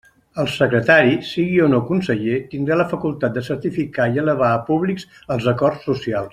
El secretari, sigui o no conseller, tindrà la facultat de certificar i elevar a públics els acords socials.